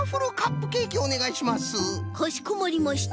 かしこまりました！